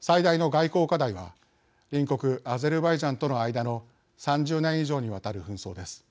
最大の外交課題は隣国、アゼルバイジャンとの間の３０年以上にわたる紛争です。